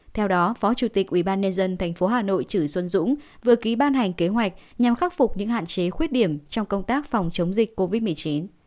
theo đó phó chủ tịch ủy ban nhân dân tp hà nội trữ xuân dũng vừa ký ban hành kế hoạch nhằm khắc phục những hạn chế khuyết điểm trong công tác phòng chống dịch covid một mươi chín